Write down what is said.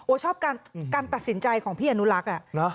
ชอบการตัดสินใจของพี่อนุรักษ์